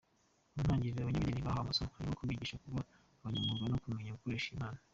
Mu ntangiriro abanyamideli bahawe amasomo arimo kubigisha kuba abanyamwuga no kumenya gukoresha iyi mpano.